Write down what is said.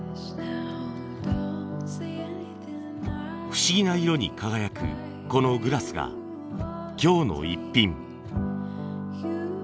不思議な色に輝くこのグラスが今日のイッピン。